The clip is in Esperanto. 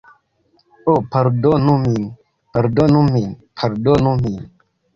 Ho, pardonu min. Pardonu min. Pardonu min.